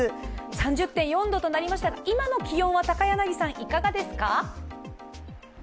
３０．４度となりましたが、今の気温はいかがですか？